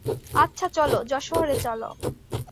আচ্ছা চলো, যশোহরে চলো।